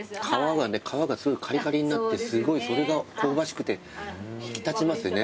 皮がねすごいカリカリになってそれが香ばしくて引き立ちますよね。